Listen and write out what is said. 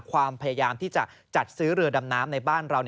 ความพยายามที่จะจัดซื้อเรือดำน้ำในบ้านเรา